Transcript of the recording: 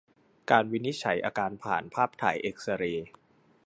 การวินิจฉัยอาการผ่านภาพถ่ายเอ็กซ์เรย์